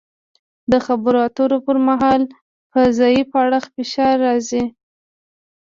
د خبرو اترو پر مهال په ضعیف اړخ فشار راځي